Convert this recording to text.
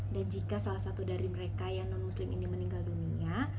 dan jika salah satu dari mereka yang non muslim ini meninggal dunia